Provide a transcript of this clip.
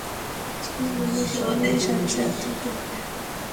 যেখানে বলবি সেখানেই সাজ্জাদ থাকবে।